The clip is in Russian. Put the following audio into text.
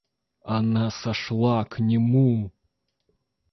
Она сошла к нему.